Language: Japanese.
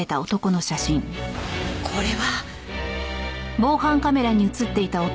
これは。